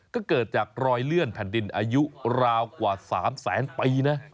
ก็เกิดจากรอยเลื่อนแผ่นดินอายุราวกว่า๓แสนปีนะ